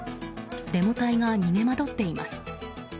デモ隊が逃げ惑っています。